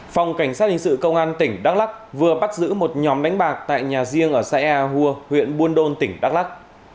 phòng cảnh sát hình sự công an tỉnh đắk lắc vừa bắt giữ một nhóm đánh bạc tại nhà riêng ở xã ea hùa huyện buôn đôn tỉnh đắk lắc